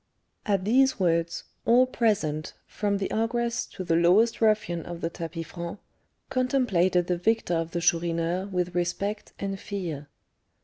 At these words, all present, from the ogress to the lowest ruffian of the tapis franc, contemplated the victor of the Chourineur with respect and fear.